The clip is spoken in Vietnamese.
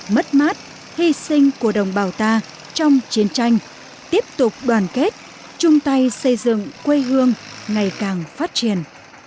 mất mát hy sinh của đồng bào ta trong chiến tranh tiếp tục đoàn kết chung tay xây dựng quê hương ngày càng phát triển